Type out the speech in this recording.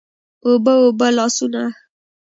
اوبه، اوبه لاسونه